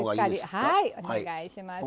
はいお願いします。